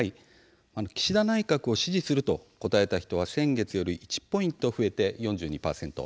岸田内閣を支持すると答えた人は先月より１ポイント増えて４２％。